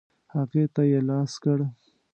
هغې ته یې لاس کړ.